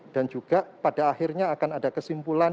dan juga pada akhirnya akan ada kesimpulan